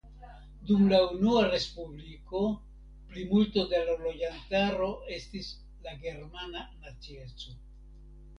Dum la unua respubliko plimulto de la loĝantaro estis la germana nacieco.